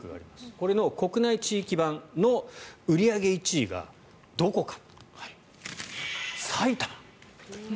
これの国内地域版の売り上げ１位はどこか。